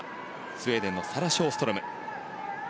スウェーデンのサラ・ショーストロム。